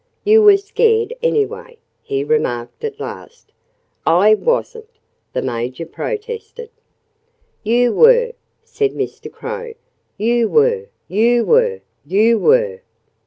"You were scared, anyway," he remarked at last. "I wasn't!" the Major protested. "You were!" said Mr. Crow. "You were! You were! You were!"